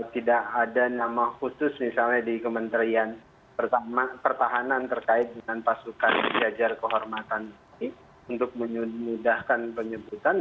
tidak ada nama khusus misalnya di kementerian pertahanan terkait dengan pasukan jajar kehormatan ini untuk memudahkan penyebutan